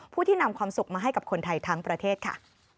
ผู้ที่นำความสุขมาให้กับคนไทยทั้งประเทศค่ะ